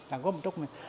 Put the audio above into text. làng gốm một chút của mình